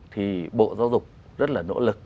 thì bộ giáo dục rất là nỗ lực